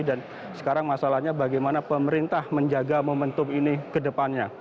dan sekarang masalahnya bagaimana pemerintah menjaga momentum ini ke depannya